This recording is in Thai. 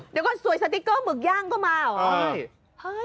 เดี๋ยวก็สวยสติ๊กเกอร์หมึกย่างก็มาเหรอ